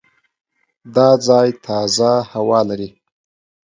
دا ځای تازه هوا لري.